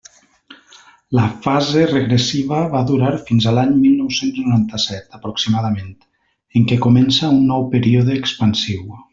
La fase regressiva va durar fins a l'any mil nou-cents noranta-set aproximadament, en què comença un nou període expansiu.